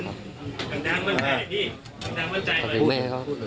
คำดังมั่นใจเลยพี่คำดังมั่นใจเลย